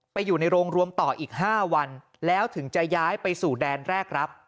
อยู่ในโรงรวมต่ออีก๕วันแล้วถึงจะย้ายไปสู่แดนแรกรับ